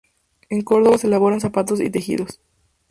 En Córdoba se elaboraban zapatos y tejidos.